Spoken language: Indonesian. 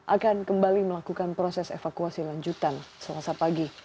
akan kembali melakukan proses evakuasi lanjutan selasa pagi